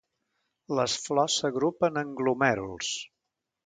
Les flors s'agrupen en glomèruls.